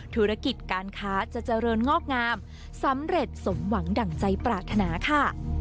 ธุรกิจการค้าจะเจริญงอกงามสำเร็จสมหวังดั่งใจปรารถนาค่ะ